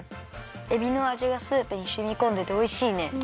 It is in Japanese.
えびのあじがスープにしみこんでておいしいね。